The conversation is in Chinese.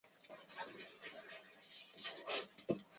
囊明蚕为眼蚕科明蚕属的动物。